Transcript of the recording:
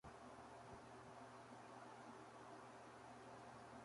Se encuentran en África: Sierra Leona, Liberia, Costa de Marfil, Ghana y Guinea.